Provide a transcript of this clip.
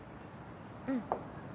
うん。